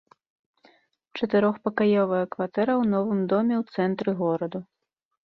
Чатырохпакаёвая кватэра ў новым доме ў цэнтры гораду.